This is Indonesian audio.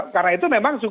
karena itu memang